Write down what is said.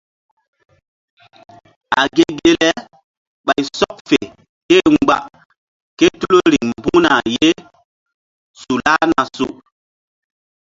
A ge ge le ɓay sɔk fe ké-e mgba ke tul riŋ mbuŋna su lahna su.